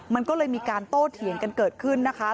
มันก็เลยมีการโต้เถียงกันเกิดขึ้นนะคะ